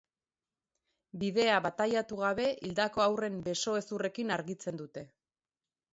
Bidea bataiatu gabe hildako haurren beso-hezurrekin argitzen dute.